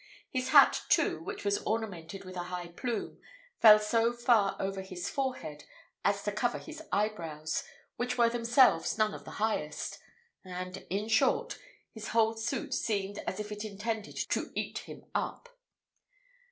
His hat, too, which was ornamented with a high plume, fell so far over his forehead as to cover his eyebrows, which were themselves none of the highest; and, in short, his whole suit seemed as if it intended to eat him up.